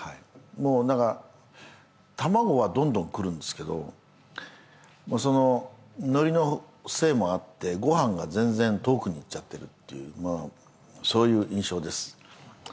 もうだから卵はどんどんくるんですけどそののりのせいもあってご飯が全然遠くに行っちゃってるっていうそういう印象です